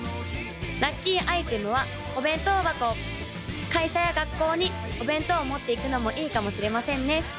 ・ラッキーアイテムはお弁当箱会社や学校にお弁当を持っていくのもいいかもしれませんね